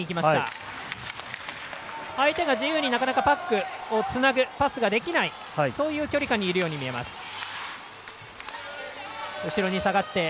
相手が自由になかなかパックをつなぐパスができないそういう距離感にいるように見えます。